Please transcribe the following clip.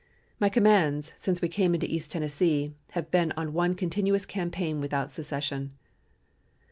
My commands since we came into East Tennessee have been on one continuous campaign without cessation.